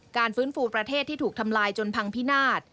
ฟื้นฟูประเทศที่ถูกทำลายจนพังพินาศ